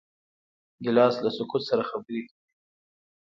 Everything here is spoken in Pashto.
ګیلاس له سکوت سره خبرې کوي.